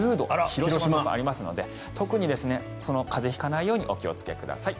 広島とかありますので特に風邪を引かないようにお気をつけください。